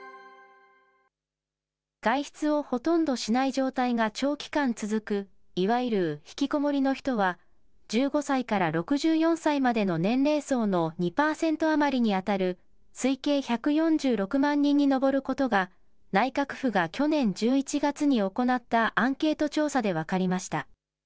外出をほとんどしない状態が長期間続く、いわゆる引きこもりの人は、１５歳から６４歳までの年齢層の２％余りに当たる推計１４６万人に上ることが、内閣府が去年１１月に行ったアンケート調査で分かりました。